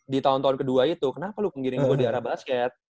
di tahun tahun kedua itu kenapa lu penggiring bola di arah basket